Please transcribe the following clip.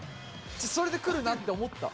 それでくるなって思った？